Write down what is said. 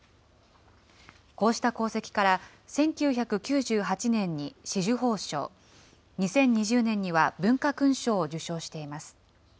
こうした功績から、１９９８年に紫綬褒章、２０２０年には文化勲章を受章しています。